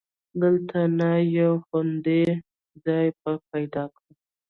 دلته نه، یو خوندي ځای به پیدا کړو.